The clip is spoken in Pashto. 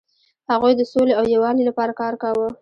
هغوی د سولې او یووالي لپاره کار کاوه.